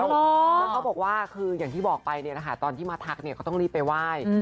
แล้วเขาบอกว่าคืออย่างที่บอกไปเนี่ยนะคะตอนที่มาทักเนี่ยเขาต้องรีบไปไหว้